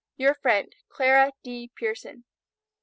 Your friend, CLARA D. PIERSON.